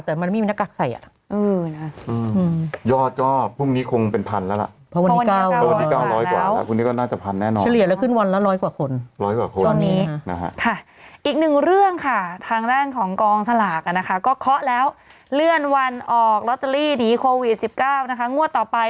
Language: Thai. แต่มันไม่มีนักกากใส่อ่ะอืมน่ะอืมยอดก็พรุ่งนี้คงเป็นพันแล้วล่ะ